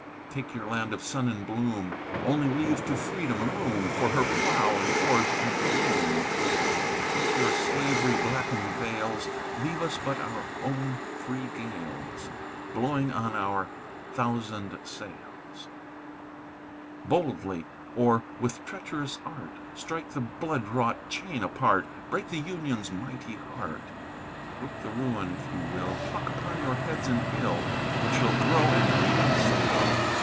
"Take your land of sun and bloom; Only leave to Freedom room For her plough, and forge, and loom; "Take your slavery blackened vales; Leave us but our own free gales, Blowing on our thousand sails. "Boldly, or with treacherous art, Strike the blood wrought chain apart; Break the Union's mighty heart; "Work the ruin, if ye will; Pluck upon your heads an ill Which shall grow and deepen still.